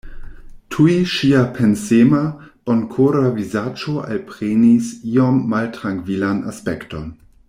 Tuj ŝia pensema, bonkora vizaĝo alprenis iom maltrankvilan aspekton.